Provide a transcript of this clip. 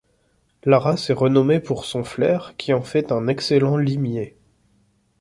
La race est renommée pour son flair qui en fait un excellent limier.